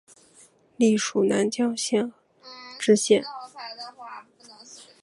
历署南江县知县。